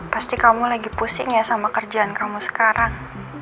pasti kamu lagi pusing ya sama kerjaan kamu sekarang